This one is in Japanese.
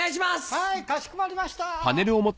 はいかしこまりました。